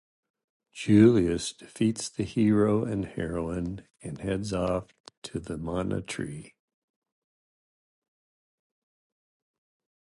Julius defeats the hero and heroine, and heads off to the Mana Tree.